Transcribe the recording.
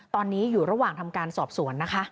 ตอนนี้อยู่ระหว่างทำการสอบสวนนะคะ